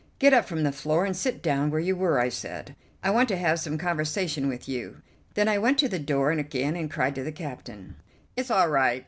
"Get up from the floor and sit down where you were," I said; "I want to have some conversation with you." Then I went to the door again and cried to the captain: "It's all right.